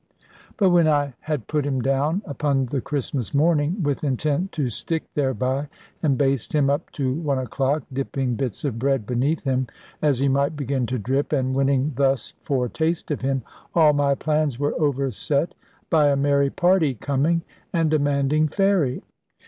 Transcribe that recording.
But when I had put him down, upon the Christmas morning, with intent to stick thereby, and baste him up to one o'clock, dipping bits of bread beneath him, as he might begin to drip, and winning thus foretaste of him all my plans were overset by a merry party coming, and demanding "ferry."